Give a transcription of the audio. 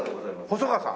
細川さん？